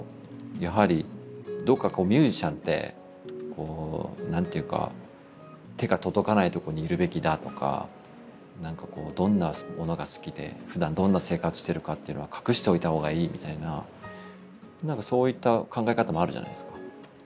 やはりどっかミュージシャンってなんていうか手が届かないとこにいるべきだとかどんなものが好きでふだんどんな生活してるかっていうのは隠しておいた方がいいみたいななんかそういった考え方もあるじゃないですか。